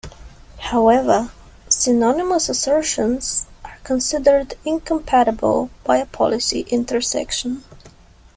However, synonymous assertions are considered incompatible by a policy intersection.